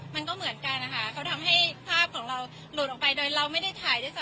มันก็เหมือนกันนะคะเขาทำให้ภาพของเราหลุดออกไปโดยเราไม่ได้ถ่ายด้วยซ้